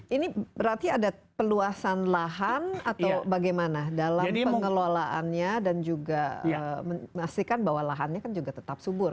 ini berarti ada peluasan lahan atau bagaimana dalam pengelolaannya dan juga memastikan bahwa lahannya kan juga tetap subur